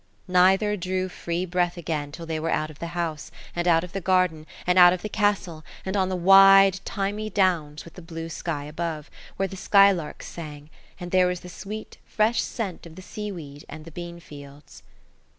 Neither drew free breath again till they were out of the house, and out of the garden, and out of the castle, and on the wide, thymy downs, with the blue sky above, where the skylarks sang, and there was the sweet, fresh scent of the seaweed and the bean fields.